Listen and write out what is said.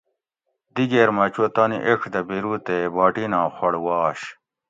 دیگیر مہ چو تانی ایڄ دہ بیرو تے باٹیناں خوڑ واش